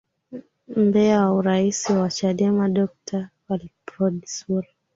mbea wa urais wa chadema dokta wilprod sur